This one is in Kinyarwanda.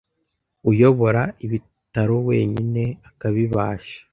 uyobora ibitaro wenyine ukabibasha ”